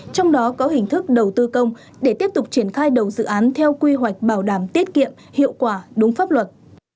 trong đó có hình thức đầu tư công để tiếp tục triển khai đầu dự án theo quy hoạch bảo đảm tiết kiệm hiệu quả đúng pháp luật